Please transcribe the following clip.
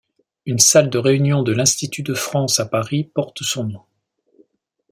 Une salle de réunion de l'Institut de France à Paris porte son nom.